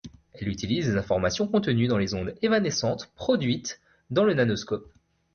Elle utilise les informations contenues dans les ondes évanescentes produites dans le nanoscope.